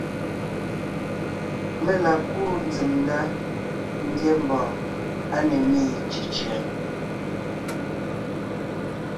Mé la kúu nzsèm ndá ńgyɛ́ mbɔ̀ɔn á ne ḿmi cʉ̀cʉ̀a;